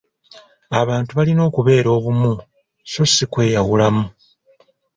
Abantu balina okubeera obumu so ssi kweyawulamu.